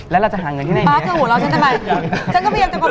แล้วเราจะหาเงินที่ไหนอย่างนี้พี่ป๊าคือหัวเราฉันจะมา